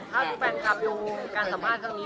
ถ้าดูแฟนคลับดูการสัมภาษณ์ครั้งนี้